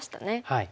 はい。